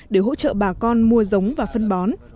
để hỗ trợ bà con mua giống và phân bón